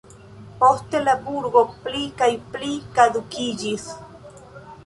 Poste la burgo pli kaj pli kadukiĝis.